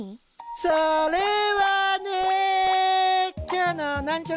それはね。